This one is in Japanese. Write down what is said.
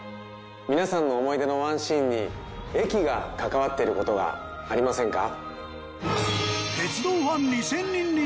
皆さんの思い出のワンシーンに駅が関わっている事がありませんか？